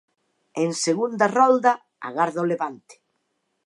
En segunda rolda, agarda o Levante.